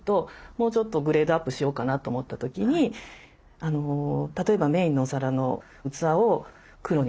もうちょっとグレードアップしようかなと思った時に例えばメインのお皿の器を黒に替えてみようかな。